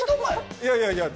いやいやいや。